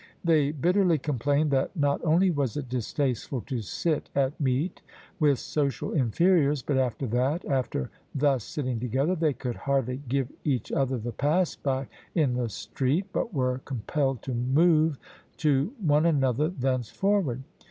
They bitterly complained that not only was it distasteful to sit at meat with social inferiors, but that — after thus sitting together — ^they could hardly * give each other the pass by ' in the street, but were com pelled to 'move' to one another thenceforward.